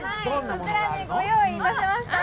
こちらにご用意いたしました。